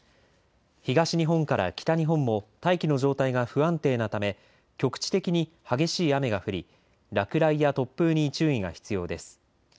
東日本から北日本も大気の状態が不安定なため局地的に激しい雨が降り落雷や突風に注意が必要です。